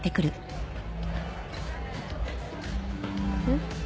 ん？